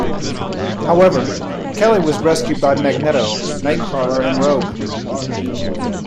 However, Kelly was rescued by Magneto, Nightcrawler and Rogue.